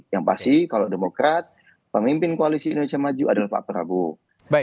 yang pasti kalau demokrat pemimpin koalisi indonesia maju adalah pak prabowo